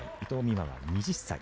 誠は２０歳。